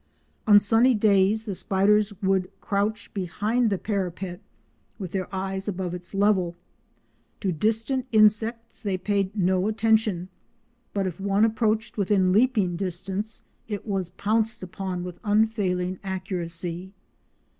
On sunny days the spiders would crouch behind the parapet with their eyes above its level. To distant insects they paid no attention, but if one approached within leaping distance, it was pounced upon with unfailing accuracy.